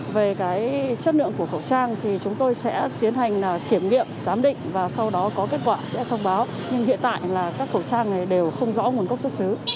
về chất lượng của khẩu trang thì chúng tôi sẽ tiến hành kiểm nghiệm giám định và sau đó có kết quả sẽ thông báo nhưng hiện tại là các khẩu trang này đều không rõ nguồn gốc xuất xứ